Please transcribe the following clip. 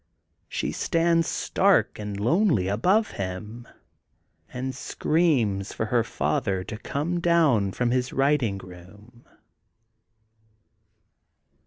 She stands stark and lonely above him, and screams for her father to come down from his writing room.